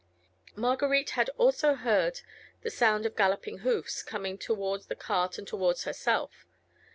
Marguerite had also heard the sound of galloping hoofs, coming towards the cart, and towards herself.